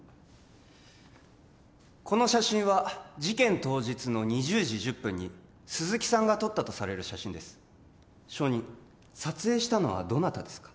この写真は事件当日の２０時１０分に鈴木さんが撮ったとされる写真です証人撮影したのはどなたですか？